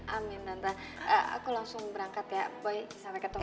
amin tante aku langsung berangkat ya bye sampai ketemu